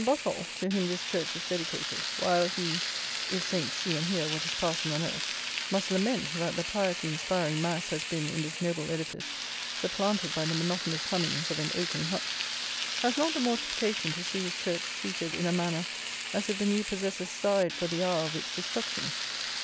Botolph, to whom this church is dedicated, while he (if saints see and hear what is passing on earth) must lament that the piety inspiring mass has been, in this noble edifice, supplanted by the monotonous hummings of an oaken hutch, has not the mortification to see his church treated in a manner as if the new possessors sighed for the hour of its destruction.